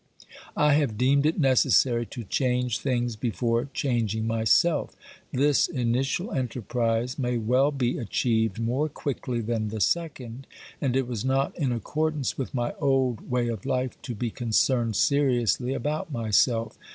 I have deemed it necessary to change things before changing myself. This initial enterprise may well be achieved more quickly than the second, and it was not in accordance with my old way of life to be concerned seriously about myself.